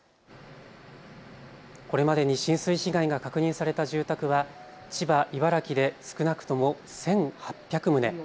これまでに浸水被害が確認された住宅は千葉、茨城で少なくとも１８００棟。